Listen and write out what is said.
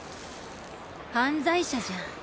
犯罪者じゃん。